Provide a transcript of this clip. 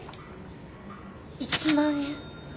１万円？